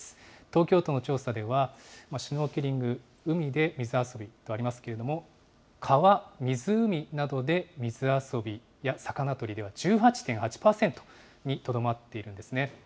東京都の調査では、シュノーケリング、海で水遊びとありますけれども、川・湖などで水遊びや魚取りでは１８．８％にとどまっているんですね。